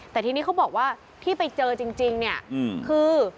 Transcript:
แต่ทีนี้เขาบอกว่าที่ไปเจอจริงเนี่ยคือ